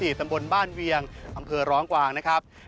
ตำบลบ้านเวียงอำเภอร้องกวางนะครับ